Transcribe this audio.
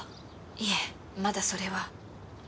いえまだそれは。